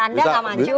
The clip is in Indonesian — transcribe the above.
bisa satu juga